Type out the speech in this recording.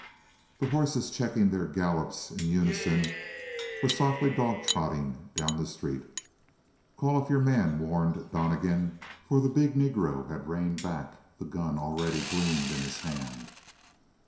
The horses, checking their gallops in unison, were softly dog trotting down the street. "Call off your man!" warned Donnegan, for the big Negro had reined back; the gun already gleamed in his hand.